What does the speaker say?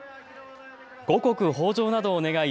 五穀豊じょうなどを願い